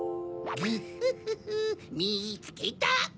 グッフフフみつけた。